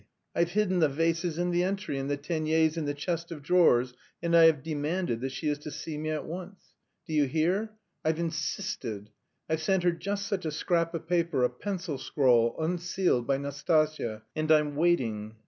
_ I've hidden the vases in the entry, and the Teniers in the chest of drawers, and I have demanded that she is to see me at once. Do you hear. I've insisted! I've sent her just such a scrap of paper, a pencil scrawl, unsealed, by Nastasya, and I'm waiting.